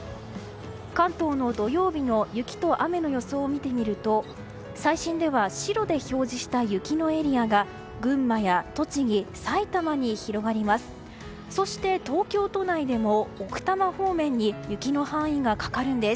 関東の土曜日の雪と雨の予想を見てみると最新では白で表示した雪のエリアが群馬や栃木、さいたまに広がります。